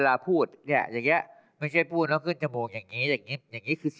หัวใจมันจริง